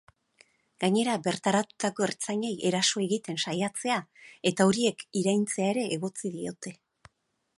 Gainera, bertaratutako ertzainei eraso egiten saiatzea eta horiek iraintzea ere egotzi diote.